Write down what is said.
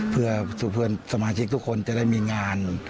เพื่อสมาชิกทุกคนจะได้มีงาน